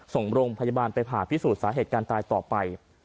ส่งโรงพยาบาลไปผ่าพิสูจน์สาเหตุการณ์ตายต่อไป